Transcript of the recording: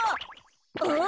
あっ！